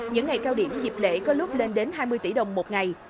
những ngày cao điểm dịp lễ có lúc lên đến hai mươi tỷ đồng một ngày